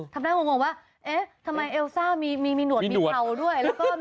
ทำหน้างงว่าเอ๊ะทำไมเอลซ่ามีหนวดเผาด้วย